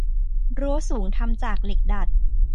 รั้วสูงทำจากเหล็กดัด